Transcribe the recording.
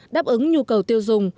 đáp ứng nhu cầu tiêu dùng